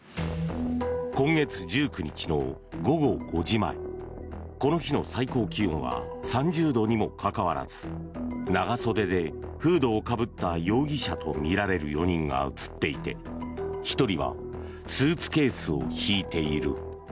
今月１９日の午後５時前この日の最高気温は３０度にもかかわらず長袖でフードをかぶった容疑者とみられる４人が映っていて１人はスーツケースを引いている。